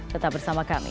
tetap bersama kami